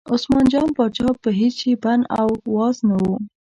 عثمان جان پاچا په هېڅ شي بند او واز نه و.